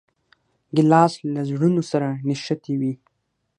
ګیلاس له زړونو سره نښتي وي.